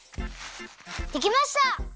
できました！